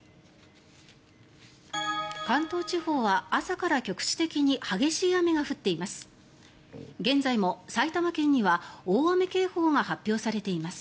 関東地方は朝から局地的に激しい雨が降っています。